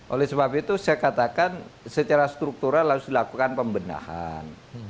oleh sebab itu saya katakan secara struktural harus dilakukan pembenahan